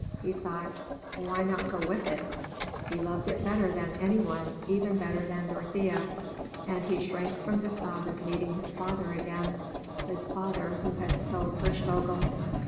He thought, "Why not go with it?" He loved it better than anyone, even better than Dorothea; and he shrank from the thought of meeting his father again, his father who had sold Hirschvogel.